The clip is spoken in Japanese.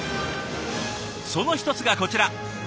その一つがこちら。